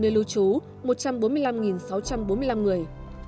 nơi lưu trú một trăm bốn mươi năm sáu trăm bốn mươi năm người